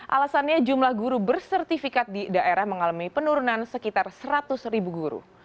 alasannya jumlah guru bersertifikat di daerah mengalami penurunan sekitar seratus ribu guru